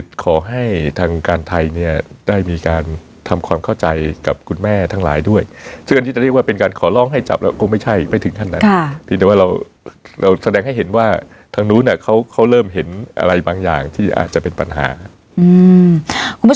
ขอให้ทางการไทยเนี่ยได้มีการทำความเข้าใจกับคุณแม่ทั้งหลายด้วยซึ่งอันนี้จะเรียกว่าเป็นการขอร้องให้จับเราก็ไม่ใช่ไม่ถึงขั้นนั้นเพียงแต่ว่าเราเราแสดงให้เห็นว่าทางนู้นเขาเริ่มเห็นอะไรบางอย่างที่อาจจะเป็นปัญหาครับ